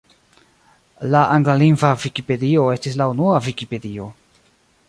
La anglalingva Vikipedio estis la unua Vikipedio.